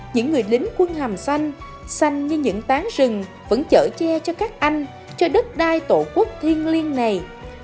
những người lính quân hàm xanh xanh như những tán rừng vẫn chở che cho các anh cho đất đai tổ quốc thiên liêng này